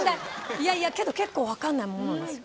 いやいやけど結構分かんないものなんですよ。